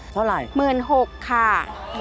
เท่าไร๑๖๐๐๐บาทค่ะ